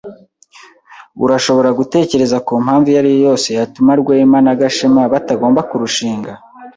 Urashobora gutekereza ku mpamvu iyo ari yo yose yatuma Rwema na Gashema batagomba kurushinga?